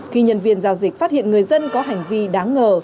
khi nhân viên giao dịch phát hiện người dân có hành vi đáng ngờ